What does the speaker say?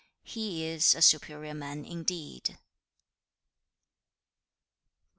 He is a superior man indeed.'